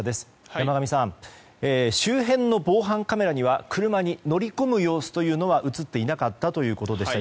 山上さん、周辺の防犯カメラには車に乗り込む様子というのは映っていなかったということでした